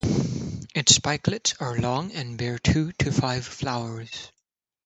Its spikelets are long and bear two to five flowers.